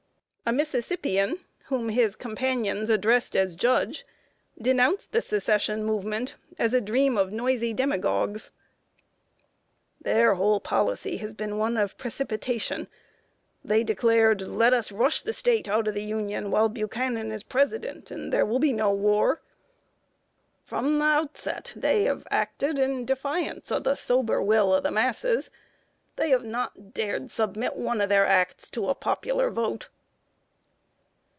A Mississippian, whom his companions addressed as "Judge," denounced the Secession movement as a dream of noisy demagogues: "Their whole policy has been one of precipitation. They declared: 'Let us rush the State out of the Union while Buchanan is President, and there will be no war.' From the outset, they have acted in defiance of the sober will of the masses; they have not dared to submit one of their acts to a popular vote!"